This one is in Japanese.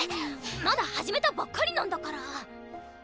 まだ始めたばっかりなんだから！